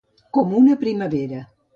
Com una primavera.